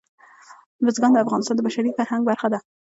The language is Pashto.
بزګان د افغانستان د بشري فرهنګ برخه ده.